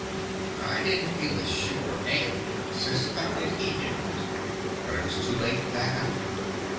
I didn't feel as sure, and suspected he didn't. But it was too late to back out.